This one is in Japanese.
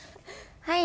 はい。